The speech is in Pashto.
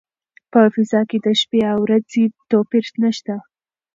په فضا کې د شپې او ورځې توپیر نشته.